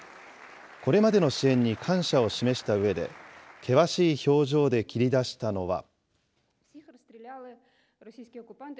これまでの支援に感謝を示したうえで、険しい表情で切り出したのは。